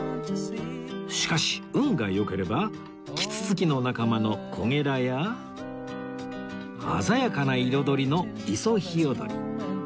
しかし運が良ければキツツキの仲間のコゲラや鮮やかな彩りのイソヒヨドリ